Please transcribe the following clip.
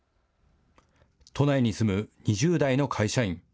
都内に住む２０代の会社員。